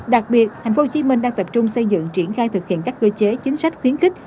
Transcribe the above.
đặc biệt tp hcm đang tập trung xây dựng triển khai thực hiện các cơ chế chính sách khuyến khích